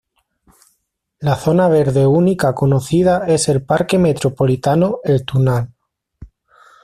La zona verde única conocida es el Parque Metropolitano El Tunal.